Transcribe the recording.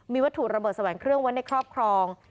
มีวัตถุระเบิดแสวงเครื่องไว้ในครอบครอง